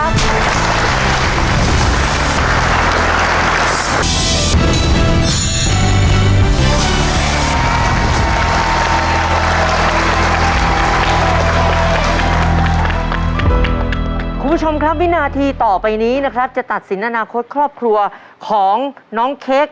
คุณผู้ชมครับวินาทีต่อไปนี้นะครับจะตัดสินอนาคตครอบครัวของน้องเค้ก